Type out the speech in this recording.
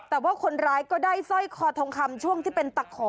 แต่ว่าคนร้ายก็ได้สร้อยคอทองคำช่วงที่เป็นตะขอ